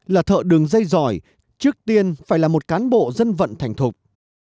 là thợ đường dây giỏi trước tiên phải là một cán bộ dân vận thành thục